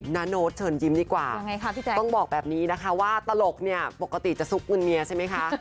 โน๊ตเชิญยิ้มดีกว่าพี่แจ๊คต้องบอกแบบนี้นะคะว่าตลกเนี่ยปกติจะซุกเงินเมียใช่ไหมคะ